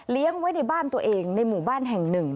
เลี้ยงไว้ในบ้านตัวเองในหมู่บ้านแห่ง๑